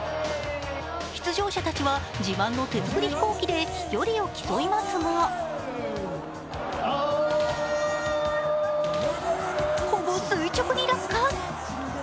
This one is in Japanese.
出場者たちは、自慢の手作り飛行機で飛距離を競いますがほぼ垂直に落下。